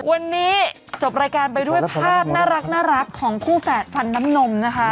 วันนี้จบรายการไปด้วยภาพน่ารักของคู่แฝดฟันน้ำนมนะคะ